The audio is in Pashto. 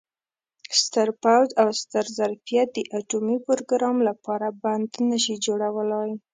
ستر پوځ او ستر ظرفیت د اټومي پروګرام لپاره بند نه شي جوړولای.